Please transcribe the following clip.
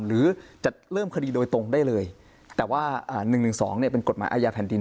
หรือจะเริ่มคดีโดยตรงได้เลยแต่ว่า๑๑๒เป็นกฎหมายอาญาแผ่นดิน